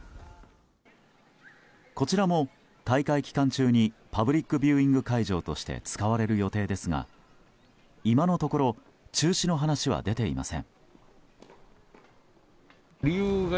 こちらも大会期間中にパブリックビューイング会場として使われる予定ですが今のところ、中止の話は出ていません。